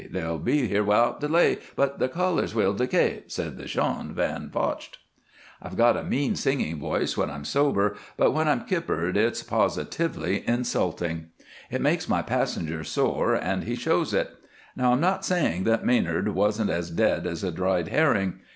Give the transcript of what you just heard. They'll be here without delay. 'But their colors will decay,' said the Shaun Van Vocht." "I've got a mean singing voice when I'm sober, but when I'm kippered it's positively insulting. It makes my passenger sore, and he shows it. Now, I'm not saying that Manard wasn't as dead as a dried herring.